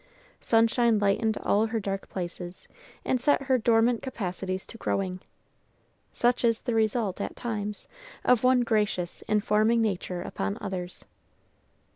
Sunshine lightened all her dark places, and set her dormant capacities to growing. Such is the result, at times, of one gracious, informing nature upon others.